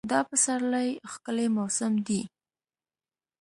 دا پسرلی ښکلی موسم دی.